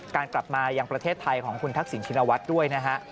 กลับมายังประเทศไทยของคุณทักษิณชินวัฒน์ด้วยนะฮะ